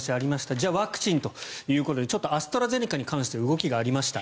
じゃあ、ワクチンということでアストラゼネカに関して動きがありました。